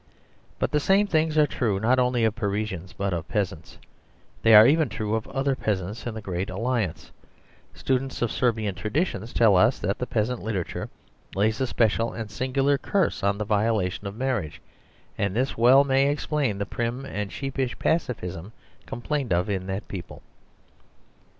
But the same things are true not only of Parisians but of peasants; they are even true of other peasants in the great Alliance. Students of Serbian traditions tell us that the peasant literature lays a special and singular The Superstition of Divorce 46 curse on the violation of marriage; and this may well explain the prim and sheepish pa cifism complained of in that people.